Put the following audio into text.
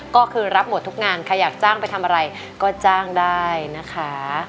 ก็คือรับหมดทุกงานใครอยากจ้างไปทำอะไรก็จ้างได้นะคะ